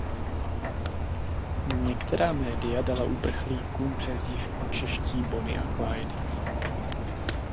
Některá média dala uprchlíkům přezdívku Čeští Bonnie a Clyde.